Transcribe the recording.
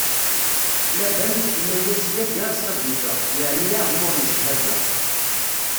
Laban isemma-as Yagar Saduta, yeɛni aɛemmuṛ n cchada.